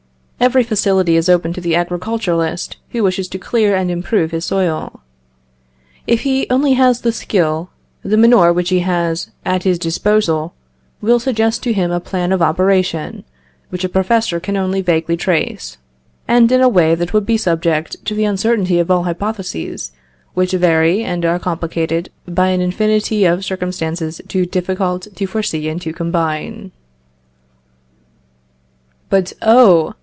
Every facility is open to the agriculturist who wishes to clear and improve his soil. If he only has the skill, the manure which he has at his disposal will suggest to him a plan of operation, which a professor can only vaguely trace, and in a way that would be subject to the uncertainty of all hypotheses, which vary and are complicated by an infinity of circumstances too difficult to foresee and to combine." But, oh!